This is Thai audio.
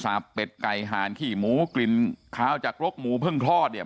เป็ดไก่หานขี้หมูกลิ่นขาวจากรกหมูเพิ่งทอดเนี่ย